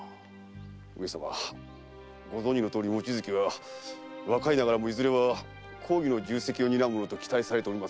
上様ご存じのとおり望月は若いながらもいずれは公儀の重責を担うものと期待されておりまするが。